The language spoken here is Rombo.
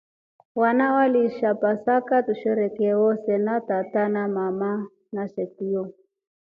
Wana walisha pasaka tusherekee wose na mama na tata na shokuyo na sayo.